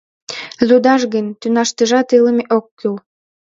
Лӱдаш гын, тӱняштыжат илыме ок кӱл!